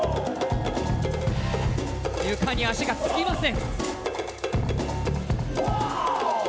床に足がつきません。